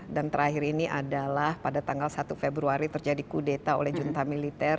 dan terakhir ini adalah pada tanggal satu februari terjadi kudeta oleh junta militer